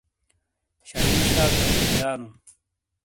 شنی شا کمیک جالوں ۔